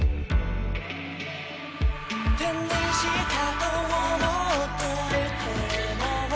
「手にしたと思っていても」